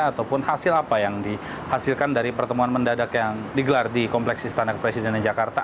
ataupun hasil apa yang dihasilkan dari pertemuan mendadak yang digelar di kompleks istana kepresidenan jakarta